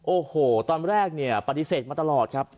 โอ้โหตอนแรกเนี่ยปฏิเสธมาตลอดครับ